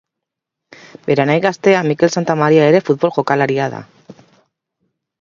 Bere anai gaztea Mikel Santamaria ere futbol jokalaria da.